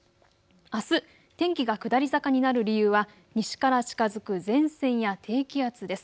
あす天気が下り坂になる理由は西から近づく前線や低気圧です。